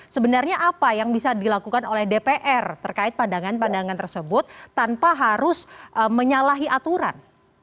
sebenarnya apa yang bisa dilakukan oleh dpr terkait pandangan pandangan tersebut tanpa harus menyalahi aturan